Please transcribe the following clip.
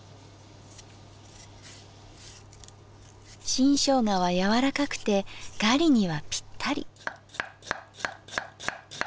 新生姜は柔らかくてガリにはぴったり。